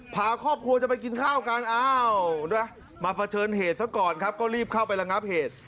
พาครอบครัวจะไปกินข้าวกันอ้าวมาเผชิญเหตุซะก่อนครับก็รีบเข้าไประงับเหตุ